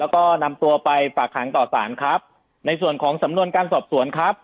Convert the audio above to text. แล้วก็นำตัวไปฝากหางต่อสารครับในส่วนของสำนวนการสอบสวนครับ